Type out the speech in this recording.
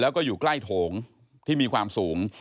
แล้วก็อยู่ใกล้โถงที่มีความสูง